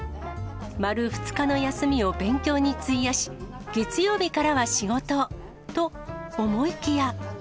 丸２日の休みを勉強に費やし、月曜日からは仕事と思いきや。